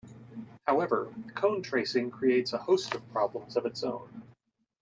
However, cone tracing creates a host of problems of its own.